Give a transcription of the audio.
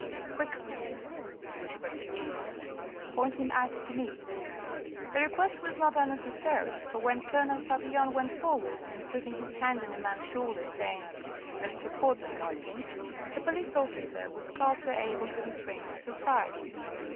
"Quick, monsieur!" whispered the Chief; "point him out to me." The request was not unnecessary, for when Colonel Papillon went forward, and, putting his hand on a man's shoulder, saying, "Mr. Quadling, I think," the police officer was scarcely able to restrain his surprise.